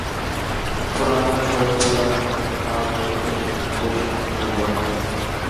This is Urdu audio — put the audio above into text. پرانا شوق پورا کیا ، کتاب دیکھ ، کچھ نئی ، کچھ و پرانی